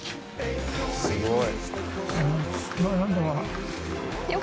すごい。